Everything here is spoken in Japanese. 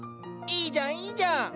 いいじゃんいいじゃん。